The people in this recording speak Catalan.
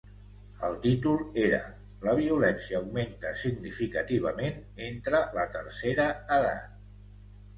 El títol era ‘La violència augmenta significativament entre la tercera edat’.